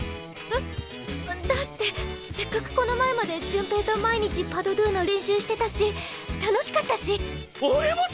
えっ？だってせっかくこの前まで潤平と毎日パ・ド・ドゥの練習してたし楽しかったし。